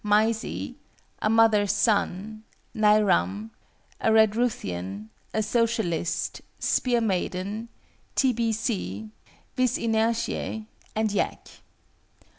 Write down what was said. MYSIE, A MOTHER'S SON, NAIRAM, A REDRUTHIAN, A SOCIALIST, SPEAR MAIDEN, T. B. C., VIS INERTIÆ, and YAK.